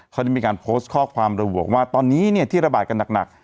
เขาได้มีการโพสต์ข้อความระบุบอกว่าตอนนี้ที่ระบาดกันหนัก